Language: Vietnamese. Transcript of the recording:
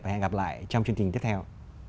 và hẹn gặp lại trong chương trình tiếp theo